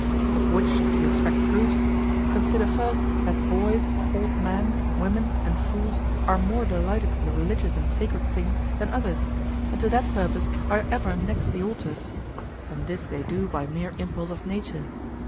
Of which if you expect proofs, consider first that boys, old men, women, and fools are more delighted with religious and sacred things than others, and to that purpose are ever next the altars; and this they do by mere impulse of nature.